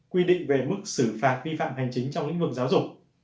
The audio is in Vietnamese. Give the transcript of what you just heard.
quy định về mức xử phạt vi phạm hành chính trong lĩnh vực giáo dục